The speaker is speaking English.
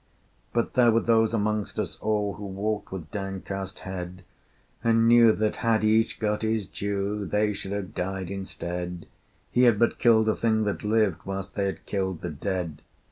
But there were those amongst us all Who walked with downcast head, And knew that, had each got his due, They should have died instead: He had but killed a thing that lived Whilst they had killed the dead.